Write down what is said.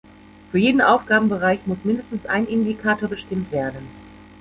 Für jeden Aufgabenbereich muss mindestens ein Indikator bestimmt werden.